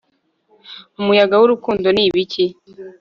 umuyaga wurukundo ni ibiki